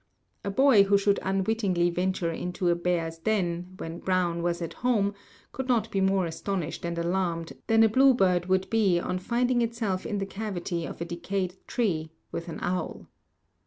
A boy who should unwittingly venture into a bear's den when Bruin was at home could not be more astonished and alarmed than a bluebird would be on finding itself in the cavity of a decayed tree with an owl.